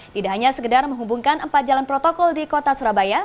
tidak hanya sekedar menghubungkan empat jalan protokol di kota surabaya